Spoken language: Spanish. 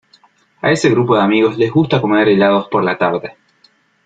A ese grupo de amigos les gusta comer helados por la tarde.